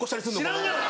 知らんがな！